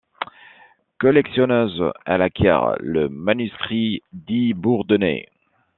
Collectionneuse, elle acquiert le manuscrit dit Bourdeney.